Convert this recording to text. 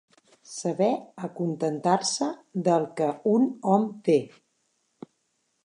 Saber acontentar-se del que un hom té.